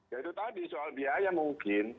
ya itu tadi soal biaya mungkin